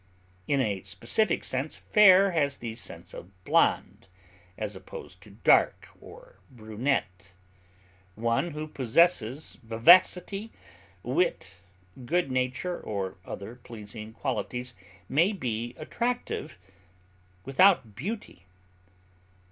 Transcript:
In a specific sense, fair has the sense of blond, as opposed to dark or brunette. One who possesses vivacity, wit, good nature, or other pleasing qualities may be attractive without beauty.